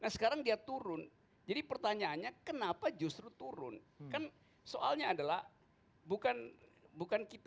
sekarang dia turun jadi pertanyaannya kenapa justru turun kan soalnya adalah bukan bukan kita